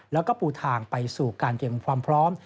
แล้วก็ปูทางไปสู่การเตรียมความพร้อม